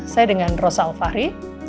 saya dengan rosa alfari